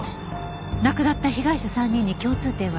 亡くなった被害者３人に共通点は？